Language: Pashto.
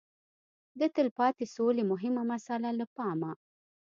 د تلپاتې سولې مهمه مساله له پامه